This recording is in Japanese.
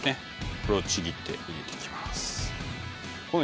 これをちぎって入れていきます